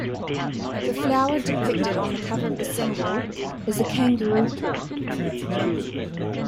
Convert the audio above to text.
The flower depicted on the cover of the single is a Kangaroo paw.